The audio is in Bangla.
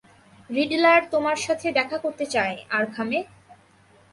রিডলার তোমার সাথে দেখা করতে চায়, আর্কহামে।